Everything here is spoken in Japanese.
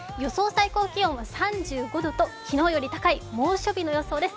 最高気温は３５度と昨日より高い猛暑日の予想です。